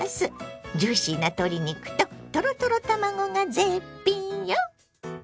ジューシーな鶏肉とトロトロ卵が絶品よ！